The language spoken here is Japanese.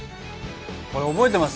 これ覚えてます？